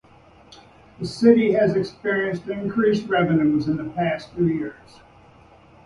The city has experienced increased revenues in the past few years.